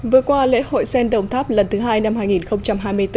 vừa qua lễ hội sen đồng tháp lần thứ hai năm hai nghìn hai mươi bốn